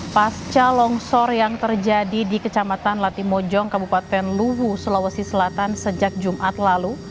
pasca longsor yang terjadi di kecamatan latimojong kabupaten luhu sulawesi selatan sejak jumat lalu